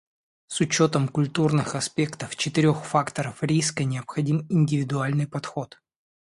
С учетом культурных аспектов четырех факторов риска необходим индивидуальный подход.